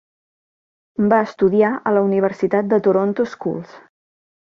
Va estudiar a la Universitat de Toronto Schools.